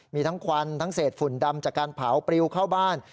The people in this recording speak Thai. มีทั้งควันทั้งเศษฝุ่นดำจากการเผาปริวเข้าบ้าน